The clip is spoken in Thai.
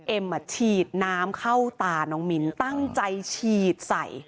เอ็มฉีดน้ำเข้าตาน้องมิ้นตั้งใจฉีดใส่